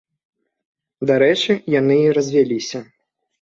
Дарэчы, яны і развяліся.